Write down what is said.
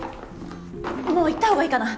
もう行ったほうがいいかな？